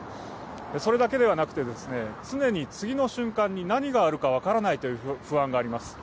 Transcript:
それだけではなくて、常に次の瞬間に何があるかわからないという不安があります。